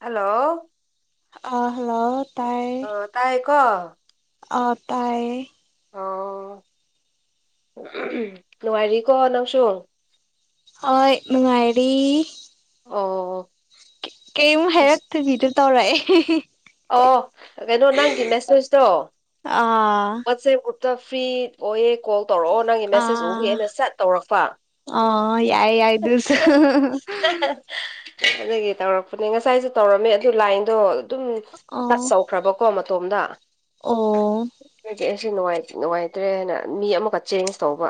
hello ꯑ hello ꯇꯥꯏ okay ꯑ ꯇꯥꯏꯌꯦ ꯑꯣ ꯅꯨꯡꯉꯥꯏꯔꯤꯀꯣ ꯅꯪꯁꯨ ꯍꯣꯏ ꯃꯅꯨꯡꯉꯥꯏꯔꯤ ꯑꯣ ꯀꯩꯃ ꯍꯥꯏꯔꯛꯇꯛꯇꯗꯤꯗ ꯇꯧꯔꯑ ꯑꯣ ꯀꯩꯅꯣ ꯅꯪꯒꯤ ꯃꯦꯁꯦꯖꯇꯣ ꯑꯥ ꯋꯥꯁ꯭ꯔ ꯑꯇ ꯐ꯭ꯔꯤ ꯑꯣꯏꯌꯦ ꯀꯣꯜ ꯇꯧꯔꯛꯑꯣ ꯅꯪꯒꯤ ꯃꯦꯁꯦꯖ ꯎꯕꯦꯅ ꯁꯠ ꯇꯧꯔꯛꯄ ꯑ ꯌꯥꯏ ꯌꯥꯗ ꯑꯗꯒꯤ ꯇꯧꯔꯛꯄꯅꯦ ꯉꯁꯥꯏꯁꯨ ꯇꯧꯔꯝꯃꯦ ꯑꯗꯨ ꯂꯥꯏꯟꯗꯣ ꯑꯗꯨꯝ ꯑꯣ ꯆꯠꯆꯧꯈ꯭ꯔꯕꯀꯣ ꯃꯇꯣꯝꯗ ꯑꯣ ꯑꯩ ꯅꯨꯡꯉꯥꯏꯇ꯭ꯔꯦ ꯍꯥꯏꯅ ꯃꯤ ꯑꯃꯒꯛ ꯆꯦꯟꯖ ꯇꯧꯕ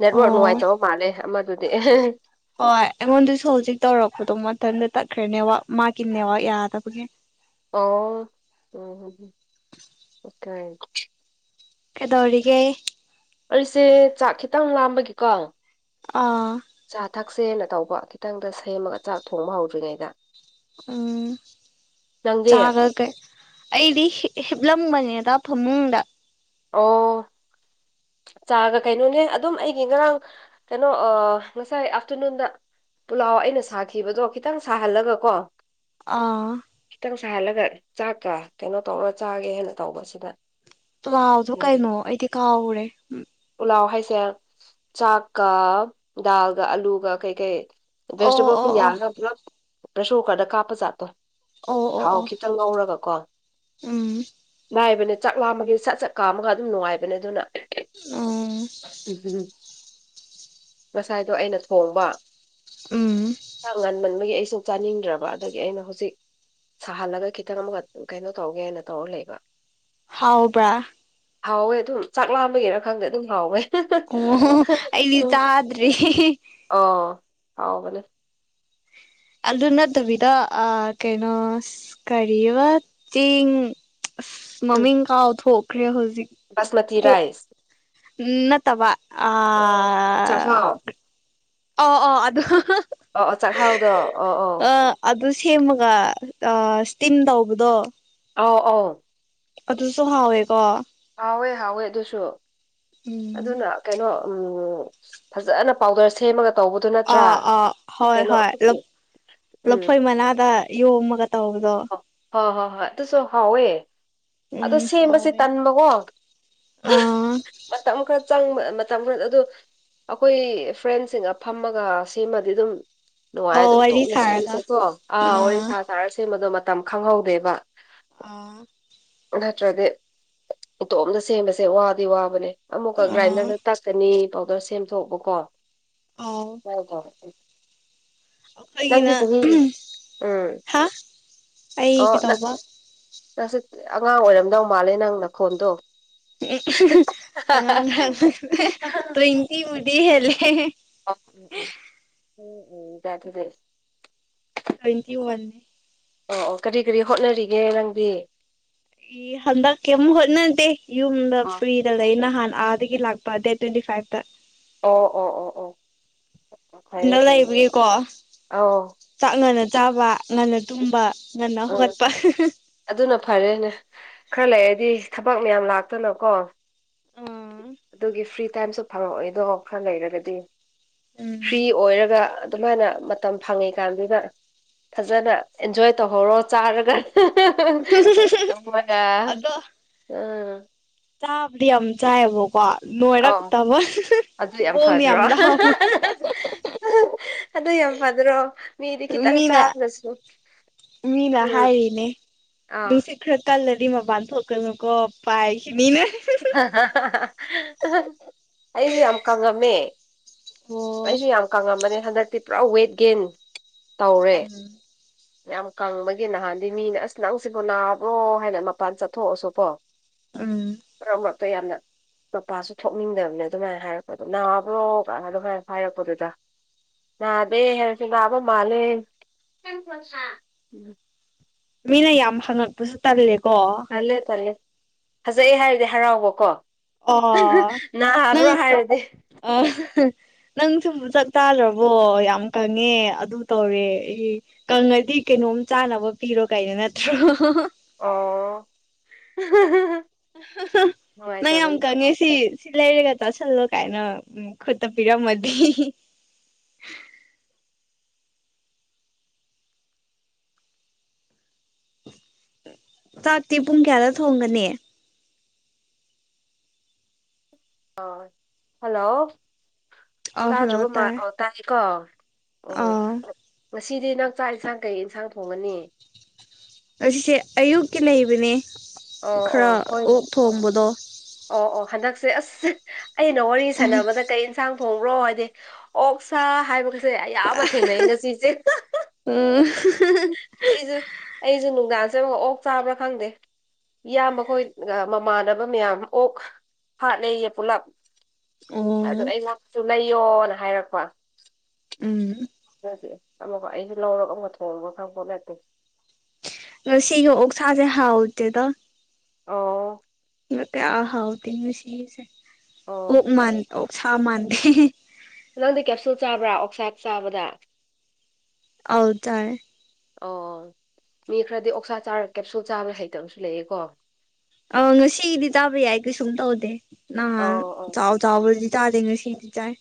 ꯅꯦꯠꯋꯔꯛ ꯅꯨꯡꯉꯥꯏꯇꯕ ꯃꯥꯜꯂꯦ ꯑꯃꯗꯨꯗꯤ ꯍ ꯏꯃꯣꯟꯗꯤ ꯁ ꯍꯧꯖꯤ ꯇꯧꯔꯈꯣ ꯇꯣꯃ ꯇꯗ ꯇ ꯀꯅꯦ ꯋꯥ ꯃꯥ ꯀꯅꯦꯦ ꯋꯥ ꯌꯥꯗꯕꯒ ꯑꯣ ꯎꯀ ꯀꯗꯣꯧꯒ ꯑꯩꯁꯦ ꯆꯥꯛ ꯈꯤꯇꯪ ꯂꯥꯝꯕꯒꯤꯀꯣ ꯑꯥ ꯆꯥ ꯊꯛꯁꯦꯅ ꯇꯧꯕ ꯈꯤꯇꯪꯗ ꯁꯦꯝꯃꯒ ꯆꯥꯛ ꯊꯣꯡꯕ ꯍꯧꯗ꯭ꯔꯤꯉꯩꯗ ꯎꯝ ꯅꯪꯗꯤ ꯆꯥꯒꯒꯩ ꯑꯩꯗꯤ ꯍꯤꯞꯂꯝꯒꯅꯤ ꯇ ꯐꯃꯨꯡꯗ ꯑꯣ ꯆꯥꯒ ꯀꯩꯅꯣꯅꯦ ꯑꯗꯨꯝ ꯑꯩꯒꯤ ꯉꯔꯥꯡ ꯀꯩꯅꯣ ꯉꯁꯥꯏ ꯑꯥꯐꯇꯔꯅꯨꯟꯗ ꯄꯨꯂꯥꯎ ꯑꯩꯅ ꯁꯥꯈꯤꯕꯗꯣ ꯈꯤꯇꯪ ꯁꯥꯍꯜꯂꯒ ꯀꯣ ꯑꯥ ꯆꯍꯜꯂꯒ ꯆꯥꯛꯀ ꯀꯩꯅꯣ ꯇꯧꯔ ꯆꯥꯒꯦ ꯍꯥꯏꯦꯟꯅ ꯇꯧꯕꯁꯤꯅ ꯥꯎꯗꯣ ꯀꯩꯅꯣ ꯑꯩꯗꯤ ꯀꯥꯎꯔꯦ ꯎ ꯄꯨꯂꯥꯎ ꯍꯥꯏꯁꯦ ꯆꯥꯛꯀ ꯗꯥꯜꯒ ꯑꯂꯨꯒ ꯀꯩ ꯀꯩ ꯑꯣ ꯚꯦꯖꯤꯇꯦꯕꯜ ꯑꯣ ꯈꯔ ꯑꯣ ꯌꯥꯡꯔꯒ ꯄꯨꯂꯞ ꯄ꯭ꯔꯦꯁꯔ ꯀꯨꯀꯔꯗ ꯀꯥꯞꯄ ꯖꯥꯠꯇꯣ ꯑꯣ ꯑꯣ ꯊꯥꯎ ꯑꯣ ꯈꯤꯇꯪ ꯉꯧꯔꯒꯀꯣ ꯎꯝ ꯅꯥꯏꯕꯅꯦ ꯆꯥꯛ ꯂꯥꯃꯒꯤ ꯁꯠ ꯁꯠ ꯀꯥ ꯑꯃꯒꯥ ꯑꯗꯨꯝ ꯅꯨꯡꯉꯥꯏꯕꯅꯦ ꯑꯗꯨꯅ ꯎꯝ ꯎ ꯉꯁꯥꯏꯗꯣ ꯑꯩꯅ ꯊꯣꯡꯕ ꯎꯝ ꯉꯟꯃꯟꯕꯒꯤ ꯑꯩ ꯀ ꯁ ꯆꯥꯅꯤꯡꯗ꯭ꯔꯕ ꯑꯗꯒꯤ ꯑꯩꯅ ꯍꯧꯖꯤꯛ ꯁꯥꯍꯜꯂꯒ ꯈꯤꯇꯪ ꯑꯃꯒ ꯀꯩꯅꯣ ꯇꯧꯒꯦ ꯍꯥꯏꯅ ꯇꯧꯔ ꯂꯩꯕ ꯍꯥꯎꯕ꯭ꯔꯥ ꯍꯥꯎꯋꯦ ꯑꯗꯨꯝ ꯆꯥꯛ ꯂꯥꯝꯕꯒꯤꯅ ꯈꯪꯗꯦ ꯑꯗꯨꯝ ꯍꯥꯎꯋꯦ ꯑꯣ ꯑꯩꯗꯤ ꯆꯥꯗ꯭ꯔꯤ ꯑꯣ ꯍꯥꯎ ꯃꯅꯤ ꯑꯗꯨ ꯅꯠꯇꯕꯤꯗ ꯀꯩꯅꯣ ꯀꯔꯤꯔꯤꯕ ꯆꯦꯡ ꯃꯝꯃꯤ ꯏ ꯀꯥꯎ ꯊꯣꯈꯔꯦ ꯍꯧꯁ ꯁꯃꯇꯤ ꯔꯥꯏꯁ ꯎ ꯅꯠꯇꯕ ꯑꯣ ꯑꯥ ꯆꯉꯥꯎ ꯑꯣ ꯑꯣ ꯑꯗꯨꯗ ꯑꯣ ꯆꯥꯛꯍꯥꯎꯗ ꯑꯣ ꯑꯣ ꯑꯗꯨ ꯁꯦꯝꯃꯒ ꯏꯁꯇꯤꯝ ꯇꯧꯕꯗꯣ ꯑꯥꯎ ꯑꯥꯎ ꯑꯗꯨꯁꯨ ꯍꯥꯎꯋꯦꯀꯣ ꯍꯥꯎꯋꯦ ꯍꯥꯎꯋꯦ ꯑꯗꯨꯁꯨ ꯎꯝ ꯑꯗꯨꯅ ꯀꯩꯅꯣ ꯐꯖꯅ ꯄꯥꯎꯗꯔ ꯁꯦꯝꯃꯒ ꯇꯧꯕꯗꯨ ꯅꯠꯇ꯭ꯔꯥ ꯑꯥ ꯑꯥ ꯍꯣꯏ ꯀꯩꯅꯣ ꯍꯣꯏ ꯑꯩꯈꯣꯏꯒꯤ ꯎꯝ ꯂꯐꯣꯏ ꯃꯅꯥꯗ ꯌꯣꯝꯃꯒ ꯇꯧꯕꯗꯣ ꯍ ꯍ ꯍ ꯇꯁꯨ ꯍꯑꯣꯦ ꯎꯝ ꯑꯣ ꯁꯦꯝꯕꯁꯦ ꯍꯥꯎꯋꯦ ꯇꯟꯕꯀꯣ ꯑꯥ ꯃꯇꯝ ꯈꯔ ꯆꯪꯕ ꯃꯇꯝ ꯈꯔꯗ ꯑꯗꯨ ꯑꯩꯈꯣꯏ ꯐ꯭ꯔꯦꯟꯁꯤꯡꯒ ꯐꯝꯃꯒ ꯁꯤꯃꯗꯤ ꯑꯗꯨꯝ ꯑꯣ ꯋꯥꯔꯤ ꯅꯨꯡꯉꯥꯏꯗꯣꯇꯣꯛꯅ ꯁꯥꯔꯒ ꯁꯦꯝꯂꯨꯁꯦꯀꯣ ꯑꯥ ꯋꯥꯔꯤ ꯁꯥ ꯁꯥꯔ ꯁꯦꯝꯕꯗꯣ ꯃꯇꯝ ꯈꯪꯍꯧꯗꯦꯕ ꯑꯥ ꯅꯠꯇ꯭ꯔꯗꯤ ꯏꯇꯣꯝꯇ ꯁꯦꯝꯕꯁꯦ ꯋꯥꯗꯤ ꯋꯥꯕꯅꯦ ꯑꯃꯨꯛꯀ ꯑꯥ ꯒ꯭ꯔꯥꯏꯟꯗꯔꯗ ꯇꯛꯀꯅꯤ ꯄꯥꯎꯗꯔ ꯁꯦꯝꯗꯣꯛꯕꯀꯣ ꯑꯥꯎ ꯁꯃꯥꯏꯅ ꯇꯧꯋꯦ ꯅꯪꯗꯤ ꯑꯩꯈꯣꯏꯒꯤꯅ ꯆꯍꯤ ꯎꯝ ꯍꯥ ꯑꯩ ꯀꯩꯗꯧꯕ ꯅꯁꯤ ꯑꯉꯥꯡ ꯑꯣꯏꯔꯝꯗꯧ ꯃꯥꯜꯂꯦ ꯅꯪ ꯅꯈꯣꯟꯗꯣ ꯎ ꯑꯉꯥꯡ ꯇ꯭ꯋ ꯏꯇꯤꯕꯨꯗꯤ ꯍꯂ ꯎꯝ ꯎꯝ ꯎꯝ ꯎꯝ ꯆꯗꯗꯦ ꯇ꯭ꯋꯦꯟꯇꯤ ꯋꯥꯟꯦ ꯑꯣ ꯀꯔꯤ ꯀꯔꯤ ꯍꯣꯠꯅꯔꯤꯒꯦ ꯅꯪꯗꯤ ꯏ ꯍꯟꯗꯛ ꯑꯃ ꯍꯣꯠꯅꯗꯦ ꯌꯨꯝꯗ ꯑꯣ ꯐꯔꯤꯗ ꯂꯩ ꯅꯍꯥꯟꯅ ꯑꯗꯒꯤ ꯂꯥꯛꯄ ꯗꯦꯠ ꯇ꯭ꯋꯦꯟꯇꯤ ꯐꯥꯏꯚꯇ ꯑꯣ ꯑꯣ ꯑꯣ ꯑꯣ ꯈꯨꯟꯗ ꯐꯩꯌꯦ ꯐꯩꯌꯦ ꯂꯩꯕꯒꯤꯀꯣ ꯑꯧ ꯆꯥꯛ ꯉꯅꯥꯟꯅ ꯆꯥꯕ ꯉꯟꯅ ꯇꯨꯝꯕ ꯉꯟꯅ ꯑ ꯍꯧꯒꯠꯄ ꯑꯗꯨꯅ ꯐꯔꯦꯅꯦ ꯈꯔ ꯂꯩ ꯗꯤ ꯊꯕꯛ ꯃꯌꯥꯝ ꯂꯥꯛꯇꯅꯀꯣ ꯑꯥ ꯑꯗꯨꯒꯤ ꯐ꯭ꯔꯤ ꯇꯥꯏꯝꯁꯨ ꯐꯪꯉꯛꯑꯣꯏꯗꯣ ꯈꯔ ꯂꯩꯔꯒꯗꯤ ꯎꯝ ꯐ꯭ꯔꯤ ꯑꯣꯏꯔꯒ ꯑꯗꯨꯃꯥꯏꯅ ꯃꯇꯝ ꯐꯪꯉꯤꯀꯥꯟꯗꯨꯗ ꯐꯖꯅ ꯑꯦꯟꯖꯣꯏ ꯇꯧꯍꯧꯔꯣ ꯆꯥꯔꯒ ꯃ ꯑꯗꯣ ꯎꯝ ꯆꯥꯕꯗꯤ ꯌꯥꯝ ꯆꯥꯏꯑꯕꯀꯣ ꯑꯧ ꯅꯣꯏꯔꯛꯇꯕ ꯑꯗꯨ ꯌꯥꯝ ꯊꯤꯕꯣꯡꯅ ꯐꯗ꯭ꯔꯣ ꯂꯥꯎꯕ ꯑꯗꯨ ꯌꯥꯝ ꯐꯗ꯭ꯔꯣ ꯃꯤꯗꯤ ꯃꯤ ꯈꯤꯇꯪ ꯀꯈꯤ ꯇꯪ ꯆꯥꯁ ꯃꯤꯅꯥ ꯍꯥꯏꯅꯦ ꯑꯥ ꯅꯪꯁꯤꯈ꯭ꯔ ꯀꯜ ꯑꯗꯨꯗꯤꯃꯞꯟꯊꯣꯛꯀꯅꯨ ꯀꯣ ꯄꯥꯏꯈꯅꯤꯅ ꯑꯩꯁꯨ ꯌꯥꯝ ꯀꯪꯉꯝꯃꯦ ꯑꯣ ꯑꯩꯁꯨ ꯌꯥꯝ ꯀꯪꯉꯝꯕꯅꯦ ꯍꯟꯗꯛꯇꯤ ꯄꯨꯔꯥ ꯋꯦꯠ ꯒꯦꯟ ꯇꯧꯔꯦ ꯎꯝ ꯌꯥꯝ ꯀꯪꯕꯒꯤ ꯅꯍꯥꯟꯗꯤ ꯃꯤꯅꯥ ꯑꯁ ꯅꯪꯁꯤꯕꯨ ꯅꯥꯕ꯭ꯔꯣ ꯍꯥꯏꯅ ꯃꯄꯥꯟ ꯆꯠꯊꯣꯛꯑꯁꯨꯕꯣ ꯎꯝ ꯃꯔꯛ ꯃꯔꯛꯇꯥ ꯌꯥꯝꯅ ꯃꯄꯥꯁꯨ ꯊꯣꯛꯅꯤꯡꯗꯕꯅꯦ ꯑꯗꯨꯃꯥꯏꯅ ꯍꯥꯏꯔꯛꯄꯗꯣ ꯅꯥꯕ꯭ꯔꯣ ꯑꯗꯨꯃꯥꯏꯅ ꯍꯥꯏꯔꯛꯄꯗꯨꯗ ꯅꯥꯗꯦ ꯍꯥꯏꯔꯁꯨ ꯅꯥꯕ ꯃꯥꯜꯂꯦ ꯃꯤꯅꯥ ꯌꯥꯝ ꯍꯉ ꯄꯨꯁꯨ ꯇ ꯂꯩꯦ ꯊꯜꯂꯦ ꯇꯜꯂꯦ ꯐꯖꯩꯩ ꯍꯥꯏꯔꯗꯤ ꯍꯔꯥꯎꯕꯀꯣ ꯑꯣ ꯅꯪ ꯍꯥꯏꯕ꯭ꯔꯣ ꯍꯥꯏꯔꯗꯤ ꯑ ꯅꯪꯁꯨ ꯆꯥꯛꯇꯥꯥꯗ꯭ꯔꯕꯣ ꯌꯥꯝ ꯀꯪꯉꯦ ꯑꯗꯨ ꯇꯧꯔꯦ ꯑꯩ ꯀꯪꯉꯗꯤ ꯀꯩꯅꯣꯝ ꯆꯥꯅꯕ ꯄꯤꯔꯣ ꯀꯥꯏꯅꯣ ꯅꯠꯇ꯭ꯔꯣ ꯑꯣ ꯅ ꯅꯨꯡꯉꯥꯏꯇꯕꯅꯤ ꯑꯃꯀ ꯅꯦꯁꯤ ꯁꯤꯂꯥꯏꯔꯤꯒꯁꯜꯂ ꯀꯥꯏꯅ ꯈꯨꯠꯇ ꯄꯤꯔ ꯃ ꯆꯥꯛꯇꯤ ꯄꯨꯡ ꯀꯌꯥꯗ ꯊꯣꯡꯒꯅꯤ ꯑ ꯍꯜꯂꯣ ꯑ ꯍꯜꯂꯣ ꯇꯥꯗ꯭ꯔꯕ ꯃꯥ ꯇꯥꯔꯦ ꯇꯥꯏꯌꯦꯀꯣ ꯑ ꯑꯣ ꯉꯁꯤꯗꯤ ꯅꯪ ꯆꯥꯛ ꯌꯦꯟꯁꯥꯡ ꯀꯩ ꯏꯟꯁꯥꯡ ꯊꯣꯡꯉꯅꯤ ꯑꯁꯤꯁꯦ ꯑꯌꯨꯛꯀꯤ ꯂꯩꯕꯅꯦ ꯑꯣ ꯈꯔ ꯑꯣ ꯍꯣꯏꯅꯦ ꯑꯣꯛ ꯊꯣꯡꯕꯗꯣ ꯑꯣ ꯑꯣ ꯍꯟꯗꯛꯁꯦ ꯑꯁ ꯑꯩꯅ ꯋꯥꯔꯤ ꯎꯝ ꯁꯥꯟꯅꯕꯗ ꯀꯩ ꯌꯦꯟꯁꯥꯡ ꯊꯣꯡ꯭ꯔꯣ ꯍꯥꯏꯗꯤ ꯑꯣꯛ ꯁꯥ ꯍꯥꯏꯕ ꯁꯦ ꯑꯌꯥꯝꯕ ꯊꯦꯡꯅꯩ ꯉꯁꯤ ꯏꯆꯦ ꯑꯩꯁꯨ ꯑꯩꯖꯣꯟ ꯅꯨꯡꯒ ꯑ ꯑꯣꯛ ꯆꯥꯕ꯭ꯔꯥ ꯈꯪꯗꯦ ꯏꯌꯥꯝꯕꯈꯣꯏ ꯃꯃꯥꯟꯅꯕ ꯃꯌꯥꯝ ꯑꯣꯛ ꯍꯥꯠ ꯂꯩꯩꯌꯦ ꯄꯨꯂꯞ ꯑꯗꯣ ꯑꯣ ꯑꯩ ꯉꯁꯨ ꯂꯩ ꯄꯣꯅ ꯍꯥꯏꯔꯛꯄ ꯎꯝ ꯑꯃ ꯑꯩꯁꯨ ꯂꯧꯔꯒ ꯑꯃꯨ ꯊꯣꯡꯕ ꯈꯪꯕ ꯅꯠꯇꯦ ꯉ ꯁꯤꯒꯤ ꯑꯣ ꯁꯥꯁꯦ ꯍꯥꯥꯎꯑꯣꯗꯦꯗ ꯑꯣ ꯏ ꯃꯇ ꯑꯥ ꯍꯥꯎꯗꯦ ꯉꯅꯨꯡꯁꯤꯁꯦ ꯑꯣ ꯑꯣꯛ ꯃꯥꯟ ꯑꯣꯛ ꯁꯥ ꯃꯥꯟꯗꯦ ꯅꯪꯗꯤ ꯀꯦꯞꯁꯨꯜ ꯆꯥꯕ꯭ꯔꯥ ꯑꯣꯛꯁꯥꯏꯠ ꯆꯥꯕꯗ ꯍꯥꯎꯗ ꯑꯣ ꯃꯤ ꯈꯔꯗꯤ ꯑꯣꯛꯁꯥ ꯆꯥꯔ ꯀꯦꯞꯁꯨꯜ ꯆꯥꯕ ꯍꯩꯇꯕꯁꯨ ꯂꯩꯑꯀꯣ ꯑ ꯉꯁꯤꯒꯤꯗꯤ ꯇꯥꯕ ꯌꯥꯏ ꯀꯩꯁꯨꯝ ꯇꯧꯗꯦ ꯅꯍꯥꯟ ꯑꯧ ꯑꯧ ꯆꯥꯎ ꯆꯥꯎ ꯆꯥꯗꯦꯡꯉꯁꯤ ꯆꯥꯏ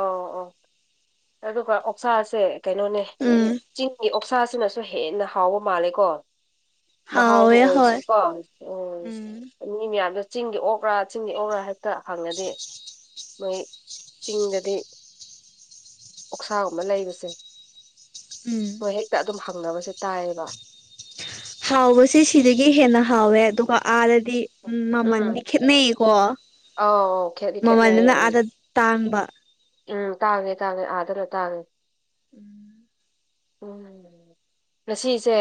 ꯑꯣ ꯑꯣ ꯑꯗꯨꯒ ꯑꯣꯛꯁꯥꯁꯦ ꯀꯩꯅꯣꯅꯦ ꯎꯝ ꯆꯤꯡꯒꯤ ꯑꯣꯛꯁꯥꯁ ꯑꯁꯤꯅꯁꯨ ꯍꯦꯟꯅ ꯍꯥꯎꯕ ꯃꯥꯜꯂꯦꯀꯣ ꯃꯍꯥꯎꯗꯣ ꯍꯥꯎꯋꯦ ꯍꯣꯏ ꯑꯣꯏꯔꯁꯨꯀꯣ ꯎꯝ ꯎ ꯃꯤ ꯃꯌꯥꯝꯗ ꯆꯤꯡꯒꯤ ꯑꯣꯛꯒ꯭ꯔꯥ ꯆꯤꯡꯒꯤ ꯑꯣꯛꯒ꯭ꯔꯥ ꯍꯥꯏꯕꯇ ꯍꯪꯅꯗꯦ ꯃꯣꯏ ꯆꯤꯡꯗꯗꯤ ꯑꯣꯛꯁꯥꯒꯨꯝꯕ ꯂꯩꯕꯁꯦ ꯎꯝ ꯅꯣꯏ ꯍꯦꯛꯇ ꯑꯗꯨꯝ ꯈꯪꯅꯕꯁꯦ ꯇꯥꯏꯌꯦꯕ ꯍꯥꯎꯕꯁꯦ ꯁꯤꯗꯒꯤ ꯍꯦꯟꯅ ꯍꯥꯎꯋꯦ ꯑꯗꯨꯒ ꯑꯥꯗꯗꯤ ꯎꯝ ꯃꯃꯜꯗꯤ ꯈꯦꯠꯅꯩꯌꯦꯀꯣ ꯑꯧ ꯑꯧ ꯈꯦꯠꯗꯤ ꯈꯦꯠꯅꯩꯌꯦ ꯃꯃꯜꯗꯨꯅ ꯎꯝ ꯑꯥꯗ ꯇꯥꯡ ꯎꯝ ꯇꯥꯡꯉꯦ ꯇꯥꯡꯉꯦ ꯑꯥꯗꯅ ꯇꯥꯡꯉꯦ ꯎꯝ ꯎꯝ ꯉꯁꯤꯁꯦ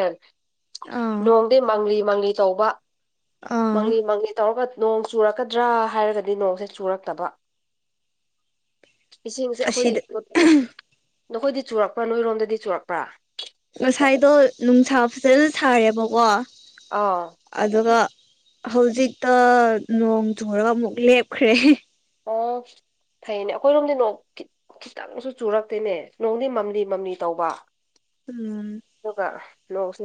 ꯑꯥ ꯅꯣꯡꯗꯤ ꯃꯪꯂꯤ ꯃꯪꯂꯤ ꯇꯧꯕ ꯑꯥ ꯃꯪꯂꯤ ꯃꯪꯂꯤ ꯇꯧꯔꯒ ꯅꯣꯡ ꯆꯨꯔꯛꯀꯗ꯭ꯔꯥ ꯍꯥꯏꯔꯒꯗꯤ ꯅꯣꯡꯁꯦ ꯆꯨꯔꯛꯇꯕ ꯏꯁꯤꯡꯁꯦ ꯑꯩꯈꯣꯏꯗꯤ ꯑꯁꯤꯗ ꯅꯈꯣꯏꯗꯤ ꯆꯨꯔꯛꯄ꯭ꯔꯥ ꯅꯣꯏꯔꯣꯝꯗꯗꯤ ꯆꯨꯔꯛꯄ꯭ꯔꯥ ꯉꯁꯥꯏꯗꯣ ꯅꯨꯡꯁꯥ ꯐꯖꯅ ꯁꯥꯔꯦꯕꯀꯣ ꯑꯥ ꯑꯗꯨꯒ ꯍꯧꯖꯤꯛꯇ ꯅꯣꯡ ꯆꯨꯨꯔꯒ ꯑꯃꯨꯛ ꯂꯦꯞꯈ꯭ꯔꯦ ꯑꯣ ꯐꯩꯅꯦ ꯑꯩꯈꯣꯏꯔꯣꯝꯗꯤ ꯅꯣꯡ ꯈꯤꯇꯪꯁꯨ ꯆꯨꯔꯛꯇꯦꯅꯦ ꯅꯣꯡꯗꯤ ꯃꯝꯂꯤ ꯃꯝꯂꯤ ꯇꯧꯕ ꯎꯝ ꯑꯗꯨꯒ ꯅꯣꯡꯁꯦ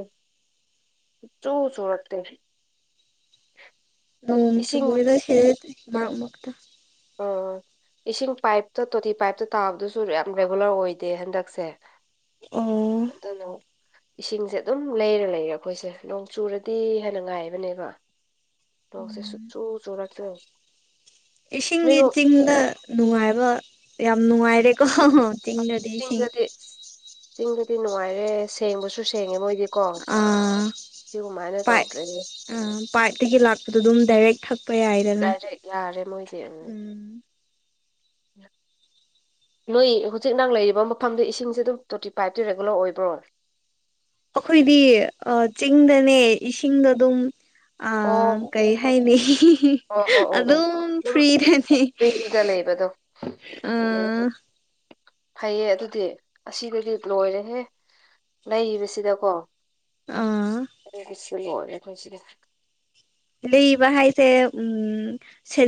ꯁꯨꯛ ꯆꯨ ꯆꯨꯔꯛꯇꯦ ꯅꯣꯡ [unintelligible] ꯏꯁꯤꯡ ꯃꯔꯛ ꯃꯔꯛꯇ ꯎꯝ ꯏꯁꯤꯡ ꯄꯥꯏꯞꯇ ꯇꯣꯇꯤ ꯄꯥꯏꯞꯇ ꯇꯥꯕꯗꯨꯁꯨ ꯌꯥꯝ ꯔꯦꯒꯨꯂꯔ ꯑꯣꯏꯗꯦ ꯍꯟꯗꯛꯁꯦ ꯑꯣ ꯑꯗꯨꯅꯣ ꯏꯁꯤꯡꯁꯦ ꯑꯗꯨꯝ ꯂꯩꯔ ꯂꯩꯔꯦ ꯈꯣꯏꯁꯦ ꯅꯣꯡ ꯆꯨꯔꯗꯤ ꯍꯦꯟꯅ ꯉꯥꯏꯕꯅꯦꯀꯣ ꯅꯣꯡꯁꯦ ꯎꯝ ꯁꯨꯛ ꯆꯨ ꯆꯨꯔꯛꯇ- ꯏꯁꯤꯡꯗꯤ ꯆꯤꯡꯗ ꯅꯨꯡꯉꯥꯏꯕ ꯌꯥꯝ ꯅꯨꯡꯉꯥꯏꯔꯦꯀꯣ ꯆꯤꯡꯗꯗꯤ ꯏꯁꯤꯡ ꯆꯤꯡꯗꯗꯤ ꯆꯤꯡꯗꯗꯤ ꯅꯨꯡꯉꯥꯏꯔꯦ ꯁꯦꯡꯕꯁꯨ ꯁꯦꯡꯉꯦ ꯃꯣꯏꯗꯤ ꯀꯣ ꯑꯥ ꯁꯤꯒꯨꯝꯃꯥꯏꯅ ꯄꯥꯏꯞ ꯇꯧꯗ꯭ꯔꯦ ꯑꯥ ꯄꯥꯏꯞꯇꯒꯤ ꯂꯥꯛꯄꯗ ꯑꯗꯨꯝ ꯗꯥꯏꯔꯦꯛ ꯊꯛꯄ ꯌꯥꯏꯗꯅ ꯗꯥꯏꯔꯦꯛ ꯌꯥꯔꯦ ꯃꯣꯏꯗꯤ ꯎꯝ [inaudible] ꯅꯣꯏ ꯍꯧꯖꯤꯛ ꯅꯪ ꯂꯩꯔꯤꯕ ꯃꯐꯝꯗꯣ ꯏꯁꯤꯡꯁꯦ ꯑꯗꯨꯝ ꯇꯣꯇꯤ ꯄꯥꯏꯞꯇꯤ ꯔꯦꯒꯨꯂꯔ ꯑꯣꯏꯕ꯭ꯔꯣ ꯑꯈꯣꯏꯗꯤ ꯑ ꯆꯤꯡꯗꯅꯦ ꯏꯁꯤꯡꯗꯣ ꯗꯨꯝ ꯑ ꯀꯩ ꯍꯥꯏꯅꯤ ꯑꯣ ꯑꯣ ꯑꯣ ꯑꯣ ꯑꯗꯨꯝ ꯑꯗꯨꯝ ꯐ꯭ꯔꯤꯗꯅꯤ [unintelligible] ꯂꯩꯕꯗꯣ ꯑ ꯎꯝ ꯐꯩꯌꯦ ꯑꯗꯨꯗꯤ ꯑꯁꯤꯗꯗꯤ ꯂꯣꯏꯔꯦꯍꯦ ꯂꯩꯕꯁꯤꯗꯀꯣ ꯑꯥ ꯂꯣꯏꯔꯦ ꯈꯣꯏ ꯁꯤꯗ ꯂꯩꯕ ꯍꯥꯏꯁꯦ ꯎꯝ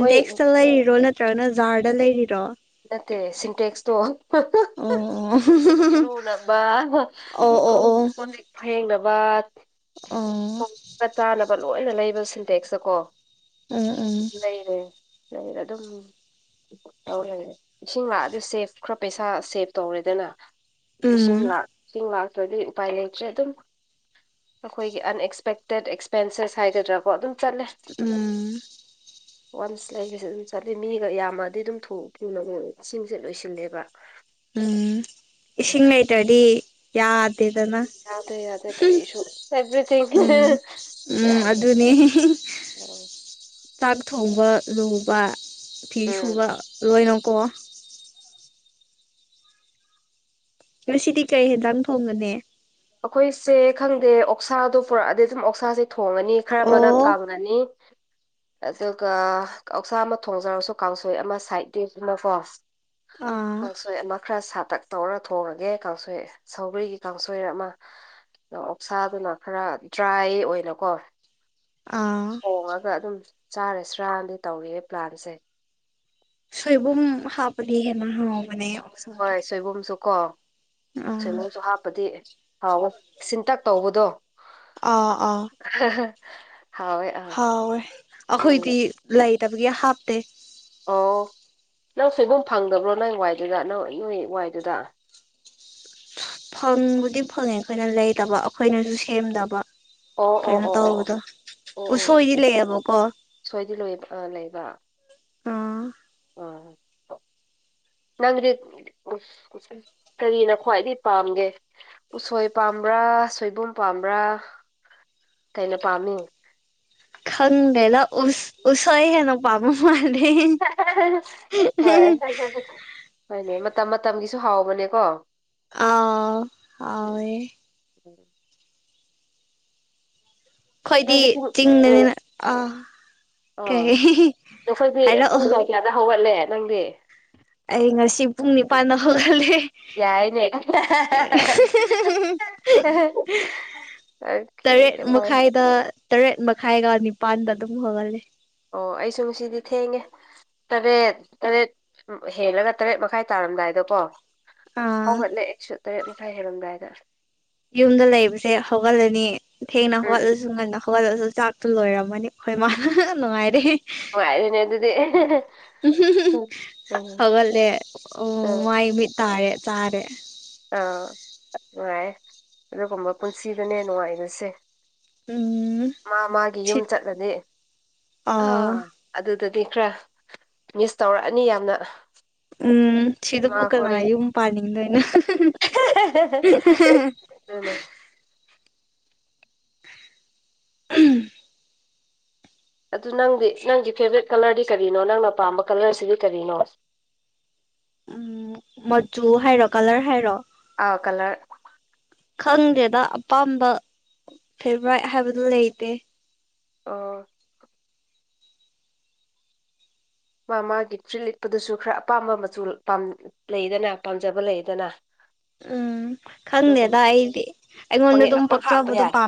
ꯍꯣꯏ ꯂꯩꯔꯤꯔꯣ ꯅꯠꯇ꯭ꯔꯒꯅ ꯖꯥꯔꯗ ꯂꯩꯔꯤꯔꯣ ꯅꯠꯇꯦ ꯁꯤꯟꯇꯦꯛꯁ ꯇꯣ ꯑꯣ ꯏꯁꯤꯡ ꯏꯔꯨꯅꯕ ꯑꯣ ꯑꯣ ꯀꯣꯝ ꯑꯣ ꯀꯣꯟꯂꯤꯛ ꯐꯦꯡꯅꯕ ꯑꯣ ꯆꯥꯅꯕ ꯂꯣꯏꯅ ꯂꯩꯕ ꯁꯤꯟꯇꯦꯛꯁꯇ ꯀꯣ ꯎꯝ ꯎꯝ ꯂꯩ ꯑꯗꯨꯝ ꯇꯧꯔꯦ ꯏꯁꯤꯡ ꯂꯥꯛꯑꯗꯤ ꯁꯦꯞ ꯈꯔ ꯄꯩꯁꯥ ꯁꯦꯞ ꯇꯧꯔꯦꯗꯅ ꯎꯝ ꯏꯁꯤꯡ ꯂꯥꯛ ꯏꯁꯤꯡ ꯂꯥꯛ ꯗꯤ ꯎꯄꯥꯏ ꯂꯩꯇ꯭ꯔꯦ ꯑꯗꯨꯝ ꯑꯩꯈꯣꯏꯒꯤ ꯑꯟꯑꯛꯁꯄꯦꯛꯇꯦꯠ ꯑꯦꯛꯁꯄꯦꯟꯁꯦꯁ ꯍꯥꯏꯒꯗ꯭ꯔꯥꯀꯣ ꯑꯗꯨꯝ ꯆꯠꯂꯦ ꯎꯝ ꯋꯥꯟꯁ ꯂꯩꯕꯁꯦ ꯑꯗꯨꯝ ꯆꯠꯂꯤ ꯃꯤꯒ ꯌꯥꯝꯃꯗꯤ ꯑꯗꯨꯝ ꯊꯨ ꯊꯨꯅ ꯏꯁꯤꯡꯁꯦ ꯂꯣꯏꯁꯤꯜꯂꯦꯕ ꯎꯝ ꯏꯁꯤꯡ ꯂꯩꯇ꯭ꯔꯗꯤ ꯌꯥ ꯌꯥꯗ꯭ꯔꯦ ꯌꯥꯗ꯭ꯔꯦ ꯀꯔꯤꯁꯨ ꯑꯦꯚ꯭ꯔꯤꯊꯤꯡ ꯎꯝ ꯎꯝ ꯌꯥꯗꯦ ꯑꯗꯨꯅꯦ ꯎꯝ ꯆꯥꯛ ꯊꯣꯡꯕ ꯂꯨꯕ ꯐꯤ ꯎꯝ ꯁꯨꯕ ꯂꯣꯏꯅꯀꯣ ꯉꯁꯤꯗꯤ ꯀꯔꯤ ꯍꯦꯟꯖꯥꯡ ꯊꯣꯡꯒꯅꯤ ꯑꯈꯣꯏꯁꯦ ꯈꯪꯗꯦ ꯑꯣꯛꯁꯥꯗꯣ ꯄꯨꯔꯛꯑꯗꯤ ꯑꯗꯨꯝ ꯑꯣꯛꯁꯥꯁꯦ ꯊꯣꯡꯉꯅꯤ ꯈꯔ ꯃꯅ ꯑꯣ ꯀꯪꯉꯅꯤ ꯑꯗꯨꯒ ꯑ‌ꯣꯛꯁꯥ ꯑꯃ ꯊꯣꯡꯖꯔꯁꯨ ꯀꯥꯡꯁꯣꯏ ꯑꯃ ꯁꯥꯏꯠ ꯗꯤꯁ ꯑꯃꯥ ꯀꯣ ꯑꯥ ꯀꯥꯡꯁꯣꯏ ꯑꯃ ꯈꯔ ꯁꯥꯇꯛ ꯇꯧꯔ ꯊꯣꯡꯉꯒꯦ ꯀꯥꯡꯁꯣꯏ ꯁꯧꯒꯔꯤꯒꯤ ꯀꯥꯡꯁꯣꯏ ꯑꯃ ꯑꯣꯛꯁꯥꯗꯨꯅ ꯈꯔ ꯗ꯭ꯔꯥꯏ ꯑꯣꯏꯅꯀꯣ ꯑꯥ ꯊꯣꯡꯉꯒ ꯑꯗꯨꯝ ꯆꯔꯥ ꯁꯤꯔꯥꯅꯥ ꯇꯧꯔꯤꯌ‌ꯦ ꯄ꯭ꯂꯥꯟꯁꯦ ꯁꯣꯏꯕꯨꯝ ꯍꯥꯞꯄꯗꯤ ꯍ‌ꯦꯟꯅꯥ ꯑꯣ ꯍꯣꯏ ꯁꯣꯏꯕꯨꯝ ꯁꯨꯀꯣ ꯑꯥ ꯁꯣꯏꯕꯨꯝꯁꯨ ꯍꯥꯞꯄꯗꯤ ꯍꯥꯎꯋ‌ꯣ ꯁꯤꯟꯇꯛ ꯇꯧꯕꯗꯣ ꯑꯥ ꯑꯥ ꯍꯥꯎꯋꯦ ꯑꯥ ꯍꯥꯎꯋ‌ꯦ ꯎꯝ ꯑꯩꯈꯣꯏꯗꯤ ꯂꯩꯇꯕꯒꯤ ꯍꯥꯞꯇꯦ ꯑꯣ ꯅꯪ ꯁ‌ꯣꯏꯕꯨꯝ ꯐꯪꯗꯕ꯭ꯔꯣ ꯅꯪ ꯋꯥꯏꯗꯨꯗ ꯅꯪ ꯅꯣꯏ ꯋꯥꯏꯗꯨꯗ ꯐꯪꯕꯨꯗꯤ ꯐꯪꯉꯦ ꯑꯩꯈꯣꯏꯅ ꯂꯩꯗꯕ ꯑꯩꯈꯣꯏꯅꯁꯨ ꯁꯦꯝꯗꯕ ꯑꯣ ꯑꯣ ꯀꯩꯅꫭ ꯑꯣ ꯑꯣ ꯑꯣ ꯇꯧꯕꯗꫭ ꯑꯣ ꯑꯣ ꯑꯣ ꯎꯨꯁꯣꯏꯗꯤ ꯂꯩꯌꯦꯕꯀꯣ ꯁꯣꯏꯗꯤ ꯂꯣꯏ ꯑ ꯎꯝ ꯑꯥ ꯅꯪꯗꯤ ꯀꯔꯤꯅ ꯈ꯭ꯋꯥꯏꯗꯤ ꯄꯥꯝꯒꯦ ꯎꯁꯣꯏ ꯄꯥꯝꯕ꯭ꯔꯥ ꯁꯣꯏꯕꯨꯝ ꯄꯥꯝꯕ꯭ꯔꯥ ꯀꯩꯅ ꯄꯥꯝꯃꯤ ꯈꯪꯗ‌ꯦꯗꯥ ꯎꯁ ꯎꯁꫭꯏ ꯍ‌ꯦꯟꯅ ꯄꯥꯝꯕ ꯃꯥꯜ ꯍꯣꯏ ꯍꯣꯏꯅꯦ ꯃꯇꯝ ꯃꯇꯝꯒꯤꯁꯨ ꯍꯥꯎꯕꯅꯦ ꯀꯣ ꯑꯥ ꯍꯥꯎꯋꯦ ꯎꯝ ꯈꯣꯏꯗꯤ ꯅꯪꯗꯤ ꯄꯨꯡ ꯎꯝ ꯆꯤꯡꯗꯅꯤꯅ ꯑꯥ ꯑꯥ ꯀꯩ ꯅꯈꯣꯏꯗꯤ ꯍꯥꯏꯔꯛꯑꯣ ꯄꯨꯡ ꯀꯌꯥ ꯀꯌꯥꯗ ꯍꯧꯒꯠꯂꯦ ꯅꯪꯗꯤ ꯑꯩ ꯉꯁꯤ ꯄꯨꯡ ꯅꯤꯄꯥꯟꯗ ꯍꯧꯒꯠꯂꯦ ꯑꯍꯤ ꯍꯤ ꯌꯥꯏꯅꯦ ꯍꯤ ꯑꯣꯀꯦ ꯇꯔꯦꯠ ꯃꯈꯥꯏꯗ ꯇꯔꯦꯠ ꯃꯈꯥꯏꯒ ꯅꯤꯄꯥꯟꯗ ꯑꯗꯨꯝ ꯍꯧꯒꯜꯂꯦ ꯑꯣ ꯑꯩꯁꯨ ꯉꯁꯤꯗꯤ ꯊꯦꯡꯉꯦ ꯇꯥꯔꯦꯠ ꯇꯥꯔꯦꯠ ꯍꯦꯜꯂꯒ ꯇꯔꯦꯠ ꯃꯈꯥꯏ ꯇꯥꯔꯛ ꯔꯝꯗꯥꯏꯗꯀꯣ ꯑꯥ ꯍꯧꯒꯠꯂꯦ ꯑꯩꯁꯨ ꯇꯔꯦꯠꯃꯈꯥꯏ ꯍ‌ꯦꯜꯂꯝꯗꯥꯏꯗ ꯌꯨꯝꯗ ꯂꯩꯕꯁꯦ ꯍꯧꯒꯠꯂꯅꯤ ꯊꯦꯡꯅ ꯎꯝ ꯍꯧꯒꯠꯂꯁꯨ ꯉꯟꯅ ꯍꯧꯒꯠꯂꯁꯨ ꯆꯥꯛꯇꯨ ꯂꯣꯏꯔꯝꯃꯅꯤ ꯑꯩꯈꯣꯏ ꯃꯥꯅ ꯅꯨꯡꯉꯥꯏꯔꯦ ꯅꯨꯡꯉꯥꯏꯔ‌ꯦꯅꯦ ꯑꯗꯨꯗꯤ ꯍꯧꯒꯠꯂꯦ ꯎꯝ ꯃꯥꯏ ꯃꯤꯠ ꯇꯥꯔꯦ ꯆꯥꯔ‌ꯦ ꯑꯥ ꯅꯨꯡꯉꯥꯏꯌ‌ꯦ ꯑꯗꯨꯒꯨꯝꯕ ꯄꯨꯟꯁꯤꯗꯨꯅꯦ ꯅꯨꯡꯉꯥꯏꯕꯁꯦ ꯎꯝ ꯃꯥ ꯃꯥꯒꯤ ꯁꯤ ꯌꯨꯝ ꯆꯠꯂꯗꯤ ꯑꯥ ꯑꯗꯨꯗꯗꯤ ꯈꯔ ꯃꯤꯁ ꯇꯧꯔꯛꯑꯅꯤ ꯌꯥꯝꯅ ꯎꯝ ꯁꯤꯗꯕꯨ ꯀꯅꯥ ꯌꯨꯝ ꯄꯥꯟꯅꯤꯡꯗꫭꯏꯅ‌ꯣ ꯑꯗꯨꯅ‌ꯦ ꯎꯝ ꯑꯗꯨ ꯅꯪꯗꯤ ꯅꯪꯒꯤ ꯐꯦꯚ꯭ꯔ‌ꯦꯠ ꯀꯥꯂ꯭ꯔꯗꯤ ꯀꯔꯤꯅꯣ ꯅꯪꯅ ꯄꯥꯝꯕ ꯀꯂ꯭ꯔꯁꯤꯗꯤ ꯀꯔꯤꯅꯣ [inaudible] ꯎꯝ ꯃꯆꯨ ꯍꯥꯏꯔꯣ ꯀꯂ꯭ꯔ ꯍꯥꯏꯔꯣ ꯑꯥ ꯀꯂ꯭ꯔ ꯈꯪꯗꯦꯗ ꯑꯄꯥꯝꯕ ꯐꯦꯚ꯭ꯔꯥꯏꯠ ꯍꯥꯏꯕꯗꫭ ꯂꯩꯇꯦ ꯑ‌ꯣ ꯃꯥ ꯃꯥꯒꯤ ꯐ꯭ꯔꯤꯠ ꯂꯤꯠꯄꯗꯨꯁꯨ ꯈꯔ ꯑꯄꯥꯝꯕ ꯃꯆꯨ ꯄꯥꯝ ꯂꯩꯗꯅ ꯄꯥꯝꯖꯕ ꯂꯩꯗꯅ ꯎꯝ ꯈꯪꯗꯦꯗ ꯑꯗꯨꯒꯨꯝꯕ ꯑꯩꯗꯤ ꯑꯩꯉꯣꯟꯗ ꯄꯪꯌꯦꯠ ꯑꯗꯨꯝ ꯄꯪꯍꯥꯞꯄ ꯄꯛꯆꯕꯗꯣ ꯌꯥꯏ ꯄꯥꯝꯃꯦ